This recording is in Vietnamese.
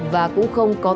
và cũng không có quy định